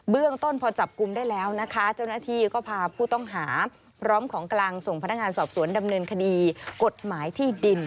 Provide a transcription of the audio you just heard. เรื่องต้นพอจับกลุ่มได้แล้วนะคะเจ้าหน้าที่ก็พาผู้ต้องหาพร้อมของกลางส่งพนักงานสอบสวนดำเนินคดีกฎหมายที่ดิน